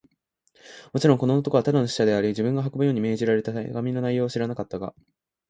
もちろん、この男はただの使者であり、自分が運ぶように命じられた手紙の内容を知らなかったが、